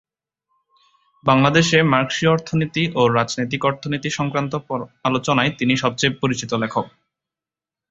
বাংলাদেশে মার্কসীয় অর্থনীতি ও রাজনৈতিক অর্থনীতি সংক্রান্ত আলোচনায় তিনি সবচেয়ে পরিচিত লেখক।